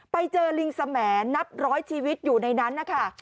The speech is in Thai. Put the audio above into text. ไปเจอลิงสมแนนับร้อยชีวิตอยู่ในนั้นนะคะ